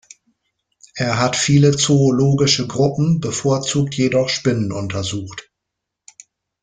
Er hat viele zoologische Gruppen, bevorzugt jedoch Spinnen untersucht.